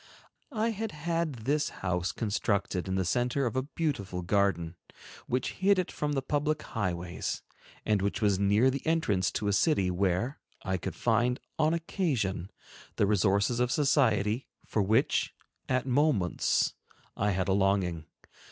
I had had this house constructed in the center of a beautiful garden, which hid it from the public high ways, and which was near the entrance to a city where I could find, on occasion, the resources of society, for which, at moments, I had a longing.